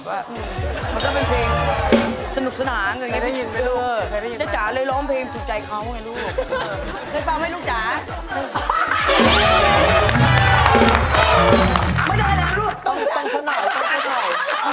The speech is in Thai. มันก็เป็นเพลงสนุกสนานอย่างนี้พี่ดุ้ยถ้ายินไหมลุก